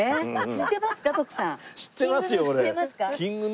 知ってますか？